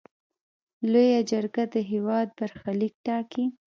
لویه جرګه د هیواد برخلیک ټاکي.